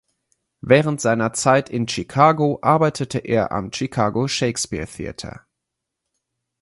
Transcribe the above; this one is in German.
Während seiner Zeit in Chicago arbeitete er am Chicago Shakespeare Theater.